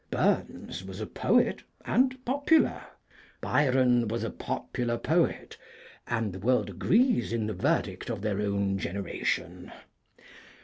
Burns was a poet, and popular. Byron was a popular poet, and the world agrees in the verdict of their own generation.